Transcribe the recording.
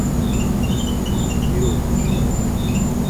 ہریرو